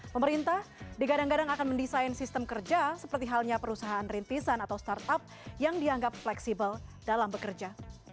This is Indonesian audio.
pemerintah digadang gadang akan mendesain sistem kerja seperti halnya perusahaan rintisan atau startup yang dianggap fleksibel dalam bekerja